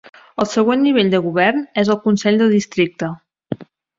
El següent nivell de govern és el Consell del districte.